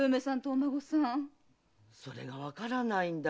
それがわからないんだ。